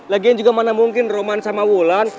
lagian juga mana mungkin roman sama wulan